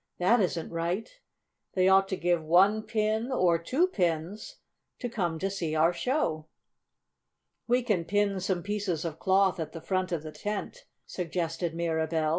"That isn't right. They ought to give one pin, or two pins, to come to see our show." "We can pin some pieces of cloth at the front end of the tent," suggested Mirabell.